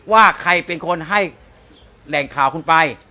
ว่าใครเป็นคนให้แหล่งข่าวคุณไป